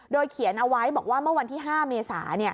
โดยเขียนเอาไว้บอกว่าเมื่อวันที่๕เมษา